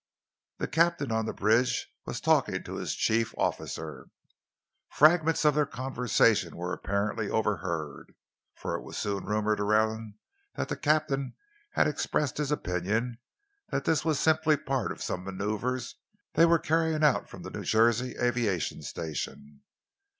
The captain on the bridge was talking to his chief officer. Fragments of their conversation were apparently overheard, for it was soon rumoured around that the captain had expressed his opinion that this was simply part of some maneuvres they were carrying out from the New Jersey Aviation Station.